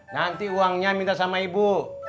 nanti uangnya minta sama ibu